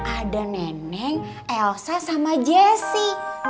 ada neneng elsa sama jessi